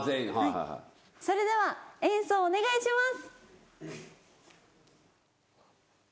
それでは演奏お願いします。